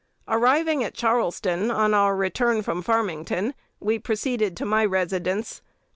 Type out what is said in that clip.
"Arriving at Charleston on our return from Farmington, we proceeded to my residence.